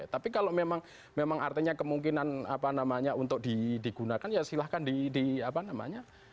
tapi kalau memang artinya kemungkinan apa namanya untuk digunakan ya silahkan di apa namanya